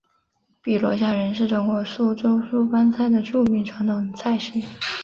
碧螺虾仁是中国苏州苏帮菜的著名传统菜式。